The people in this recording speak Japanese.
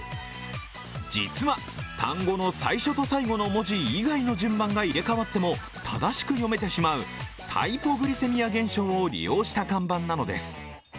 実は、単語の最初と最後の文字以外の順番が入れ代わっても正しく読めてしまうタイポグリセミア現象を利用した看板なのです。